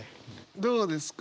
どうですか？